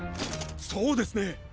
そうですね。